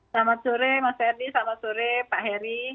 selamat sore mas herdy selamat sore pak heri